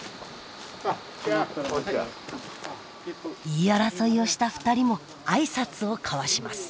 言い争いをした２人も挨拶を交わします。